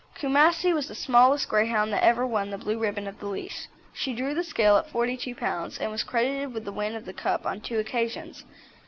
Coomassie was the smallest Greyhound that ever won the blue ribbon of the leash; she drew the scale at 42 lbs., and was credited with the win of the Cup on two occasions.